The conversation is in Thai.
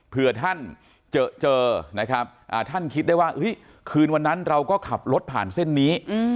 เพื่อท่านเจอนะครับท่านคิดได้ว่าคืนวันนั้นเราก็ขับรถผ่านเส้นนี้